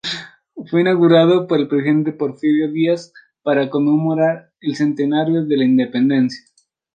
Fue inaugurada por el presidente Porfirio Díaz para conmemorar el centenario de la Independencia.